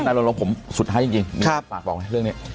นาโรนแล้วผมสุดท้ายจริงปากบอกให้เรื่องนี้